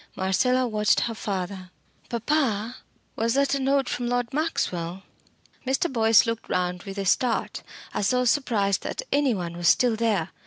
Marcella watched her father. "Papa was that a note from Lord Maxwell?" Mr. Boyce looked round with a start, as though surprised that any one was still there.